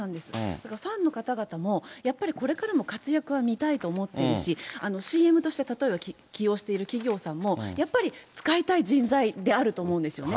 だからファンの方々も、やっぱりこれからも活躍は見たいと思っているし、ＣＭとして例えば起用している企業さんも、やっぱり使いたい人材であると思うんですよね。